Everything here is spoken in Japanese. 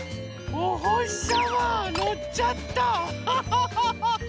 おほしさまのっちゃったハハハハハ！